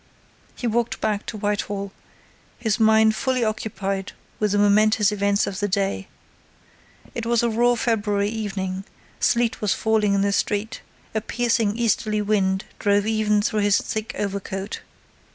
He walked back to Whitehall, his mind fully occupied with the momentous events of the day. It was a raw February evening, sleet was falling in the street, a piercing easterly wind drove even through his thick overcoat.